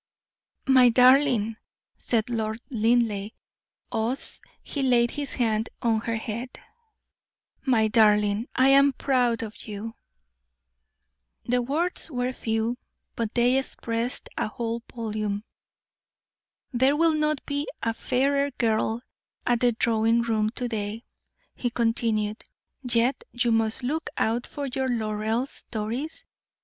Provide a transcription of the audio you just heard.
"My darling," said Lord Linleigh, us he laid his hand on her head, "my darling, I am proud of you." The words were few, but they expressed a whole volume. "There will not be a fairer girl at the drawing room to day," he continued, "Yet you must look out for your laurels, Doris.